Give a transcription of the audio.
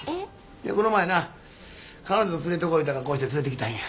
いやこの前な彼女連れてこい言うたからこうして連れてきたんや。